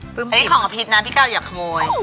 อันนี้ของอภิษนะพี่กาวอย่าขโมย